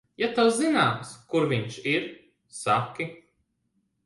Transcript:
Ja tev zināms, kur viņš ir, saki.